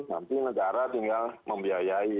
nanti negara tinggal membiayai